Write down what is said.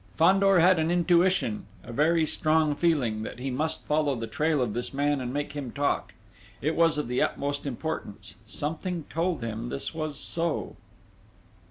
Fandor had an intuition a very strong feeling that he must follow the trail of this man and make him talk. It was of the utmost importance something told him this was so.